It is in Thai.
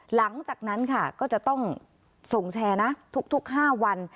หลังจากนั้นค่ะก็จะต้องส่งแชร์นะทุก๕วัน